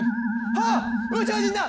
あっ宇宙人だ！